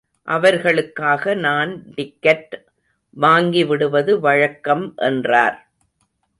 அவர்களுக்காக நான் டிக்கட் வாங்கிவிடுவது வழக்கம் என்றார்.